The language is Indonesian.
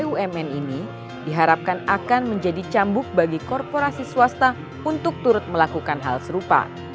bumn ini diharapkan akan menjadi cambuk bagi korporasi swasta untuk turut melakukan hal serupa